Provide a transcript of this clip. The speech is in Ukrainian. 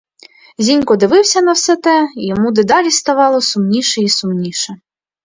Зінько дивився на все те, і йому дедалі все ставало сумніше й сумніше.